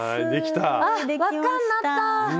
あっ輪っかになった！